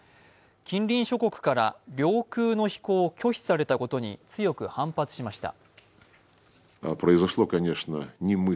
近隣諸国から領空の飛行を拒否されたことに強く反発しました。